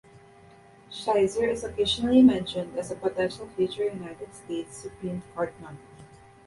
Schizer is occasionally mentioned as a potential future United States Supreme Court nominee.